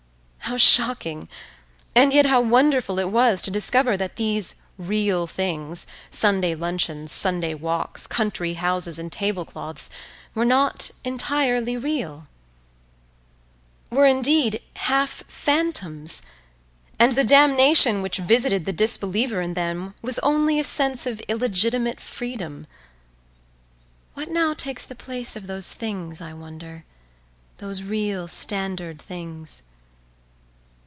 How shocking, and yet how wonderful it was to discover that these real things, Sunday luncheons, Sunday walks, country houses, and tablecloths were not entirely real, were indeed half phantoms, and the damnation which visited the disbeliever in them was only a sense of illegitimate freedom. What now takes the place of those things I wonder, those real standard things?